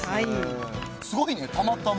すごいね、たまたま。